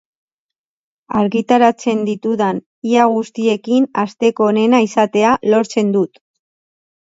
Argitaratzen ditudan ia guztiekin asteko onena izatea lortzen dut.